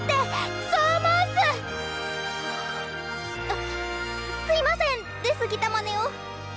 あすいません出過ぎたまねを。